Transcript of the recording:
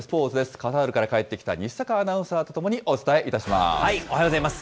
カタールから帰ってきた西阪アナウンサーと共にお伝えします。